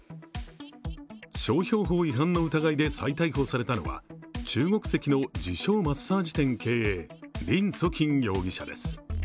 商標法違反の疑いで再逮捕されたのは中国籍の自称・マッサージ店経営、林祖琴容疑者です。